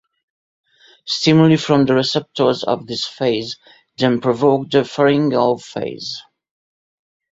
Stimuli from the receptors of this phase then provoke the pharyngeal phase.